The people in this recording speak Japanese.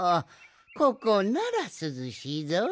ここならすずしいぞい。